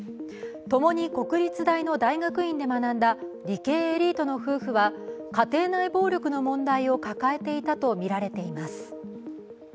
共に国立大の大学院で学んだ理系エリートの夫婦は、家庭内暴力の問題を抱えていたとみられています。